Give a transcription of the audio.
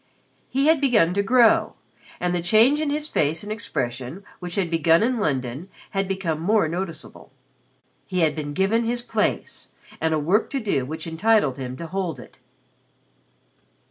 He had begun to grow, and the change in his face and expression which had begun in London had become more noticeable. He had been given his "place," and a work to do which entitled him to hold it.